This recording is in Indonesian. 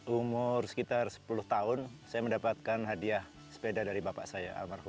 umur sekitar sepuluh tahun saya mendapatkan hadiah sepeda dari bapak saya almarhum